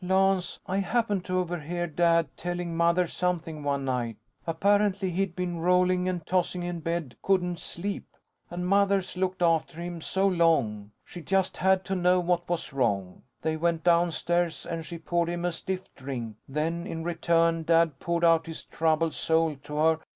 "Lance, I happened to overhear Dad telling Mother something one night. Apparently, he'd been rolling and tossing in bed, couldn't sleep. And Mother's looked after him so long, she just had to know what was wrong. They went downstairs and she poured him a stiff drink. Then in return, Dad poured out his troubled soul to her.